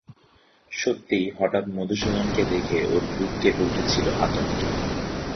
সত্যিই হঠাৎ মধুসূদনকে দেখে ওর বুক কেঁপে উঠেছিল আতঙ্কে।